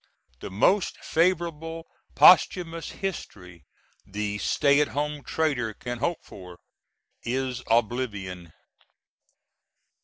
The most favorable posthumous history the stay at home traitor can hope for is oblivion.